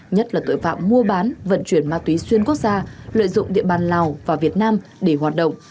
nhất là tội phạm mua bán vận chuyển ma túy xuyên quốc gia lợi dụng địa bàn lào và việt nam để hoạt động